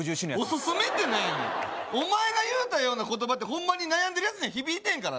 オススメって何やねんお前が言うたような言葉ってホンマに悩んでる奴には響いてへんから